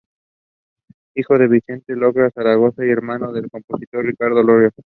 Hijo de Vicente Llorca Zaragoza y hermano del compositor Ricardo Llorca.